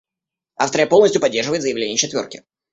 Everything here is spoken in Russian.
Австрия полностью поддерживает заявление «четверки».